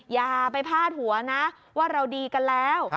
อย่าไปพาดหัวนะว่าเราดีกันแล้ว